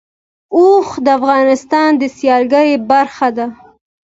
اوښ د افغانستان د سیلګرۍ برخه ده.